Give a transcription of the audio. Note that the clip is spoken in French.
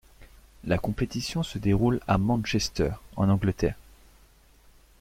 La compétition se déroule à Manchester en Angleterre.